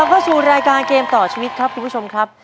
เข้าสู่รายการเกมต่อชีวิตครับคุณผู้ชมครับ